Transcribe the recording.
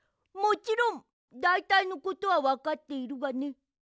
もちろんだいたいのことはわかっているがね。